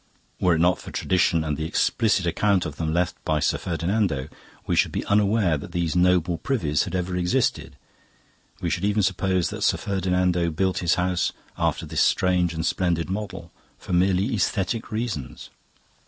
Were it not for tradition and the explicit account of them left by Sir Ferdinando, we should be unaware that these noble privies had ever existed. We should even suppose that Sir Ferdinando built his house after this strange and splendid model for merely aesthetic reasons."